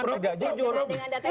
berarti saya dengan data itu